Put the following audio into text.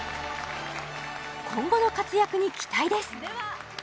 今後の活躍に期待です！